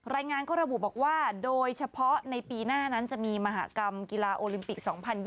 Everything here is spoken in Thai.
รายงานก็ระบุบอกว่าโดยเฉพาะในปีหน้านั้นจะมีมหากรรมกีฬาโอลิมปิก๒๐๒๐